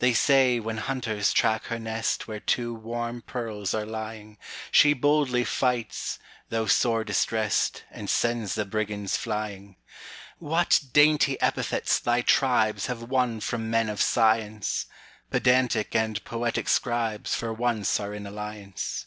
They say, when hunters track her nestWhere two warm pearls are lying, She boldly fights, though sore distrest, And sends the brigands flying. What dainty epithets thy tribesHave won from men of science! Pedantic and poetic scribesFor once are in alliance.